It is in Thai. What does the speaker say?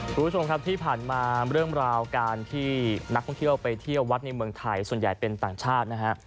คุณผู้ชมครับที่ผ่านมาเรื่องราวการที่นักท่องเที่ยวไปเที่ยววัดในเมืองไทยส่วนใหญ่เป็นต่างชาตินะฮะ